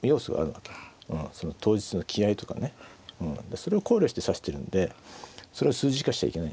それを考慮して指してるんでそれを数字化しちゃいけない。